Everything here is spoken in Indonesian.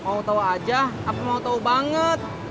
mau tau aja aku mau tau banget